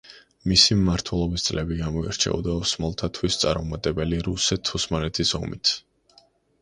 მისი მმართველობის წლები გამოირჩეოდა ოსმალთათვის წარუმატებელი რუსეთ-ოსმალეთის ომით.